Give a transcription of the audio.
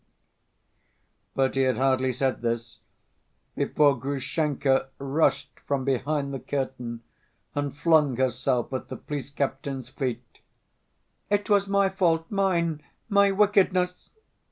But he had hardly said this, before Grushenka rushed from behind the curtain and flung herself at the police captain's feet. "It was my fault! Mine! My wickedness!"